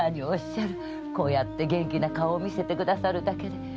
こうやって元気な顔を見せてくださるだけで母は嬉しいのです。